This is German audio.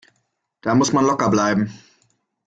Da muss man locker bleiben.